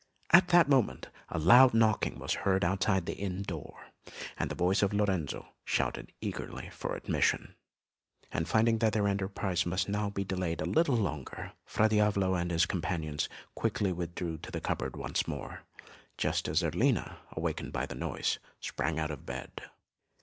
At that moment a loud knocking was heard outside at the inn door, and the voice of Lorenzo shouted eagerly for admission; and finding that their enterprise must now be delayed a little longer, Fra Diavolo and his companions quickly withdrew to the cupboard once more, just as Zerlina, awakened by the noise, sprang out of bed.